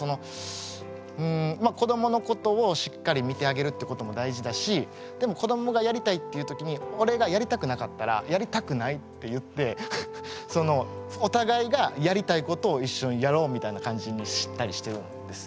子どものことをしっかり見てあげるってことも大事だしでも子どもがやりたいっていう時に俺がやりたくなかったら「やりたくない」って言ってお互いがやりたいことを一緒にやろうみたいな感じにしたりしてるんですよ。